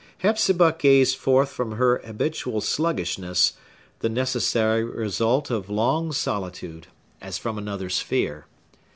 Hepzibah gazed forth from her habitual sluggishness, the necessary result of long solitude, as from another sphere.